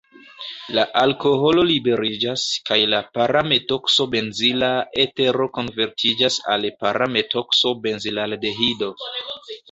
La alkoholo liberiĝas, kaj la para-metokso-benzila etero konvertiĝas al para-metokso-benzilaldehido.